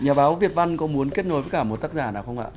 nhà báo việt văn có muốn kết nối với cả một tác giả nào không ạ